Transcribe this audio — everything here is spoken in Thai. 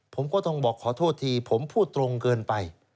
ผมก็ต้องบอกขอโทษทีผมพูดตรงเกินไป